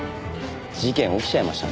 事件起きちゃいましたね。